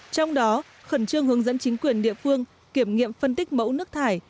trong đó khẩn trương hướng dẫn chính quyền địa phương kiểm nghiệm phân tích mẫu nước thải